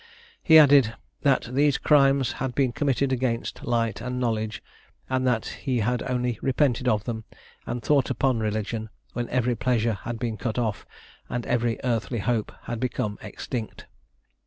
He added, "that these crimes had been committed against light and knowledge, and that he had only repented of them, and thought upon religion, when every pleasure had been cut off, and every earthly hope had become extinct."